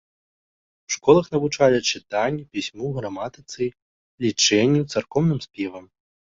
У школах навучалі чытанню, пісьму, граматыцы, лічэнню, царкоўным спевам.